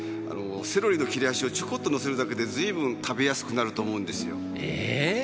セロリの切れ端をちょこっとのせるだけでずいぶん食べやすくなると思うんですよ。